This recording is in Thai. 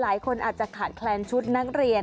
หลายคนอาจจะขาดแคลนชุดนักเรียน